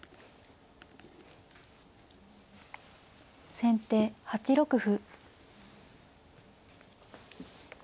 先手８六歩。